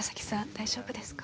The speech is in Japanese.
大丈夫ですか？